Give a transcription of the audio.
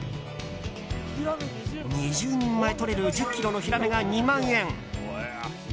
２０人前とれる１０ｋｇのヒラメが２万円。